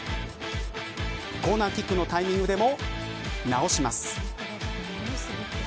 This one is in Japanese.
コーナーキックのタイミングでも直します。